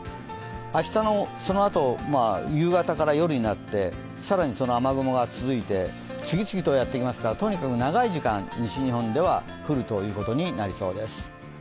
明日のそのあと、夕方から夜になって、更にその雨雲が続いて、次々とやってきますから、とにかく長い時間西日本では降るということになりそうです。